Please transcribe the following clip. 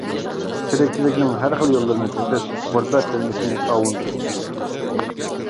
تىرىكچىلىكنىڭ ھەر خىل يوللىرىنى تېپىپ، غۇربەت تۇرمۇشىنى ئاۋۇندۇرۇپ كېلەتتى.